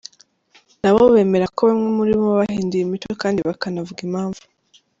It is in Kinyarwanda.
Nabo bemera ko bamwe muribo bahinduye imico kandi bakanavuga impamvu.